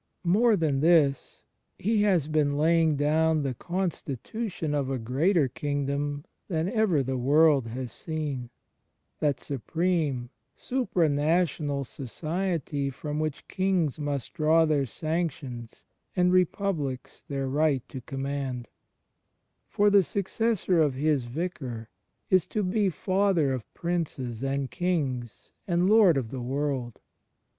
More than this: He has been laying down the constitution of a greater Kingdom than ever the world has seen — that Supreme supranational Society from which Kings must draw their sanctions and republics their right to command; for the successor of His Vicar is to be '^ Father of Pjinces and Kings and Lord of the World."